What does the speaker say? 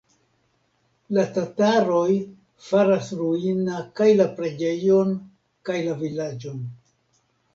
La tataroj faras ruina kaj la preĝejon, kaj la vilaĝon.